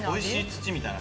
土みたいな。